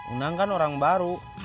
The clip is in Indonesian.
uang kan orang baru